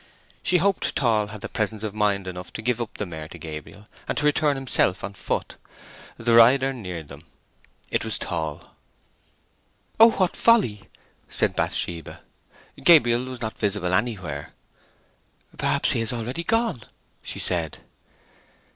She hoped Tall had had presence of mind enough to give the mare up to Gabriel, and return himself on foot. The rider neared them. It was Tall. "Oh, what folly!" said Bathsheba. Gabriel was not visible anywhere. "Perhaps he is already gone!" she said.